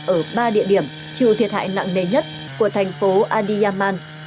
ở ba địa điểm chịu thiệt hại nặng nề nhất của thành phố adiyaman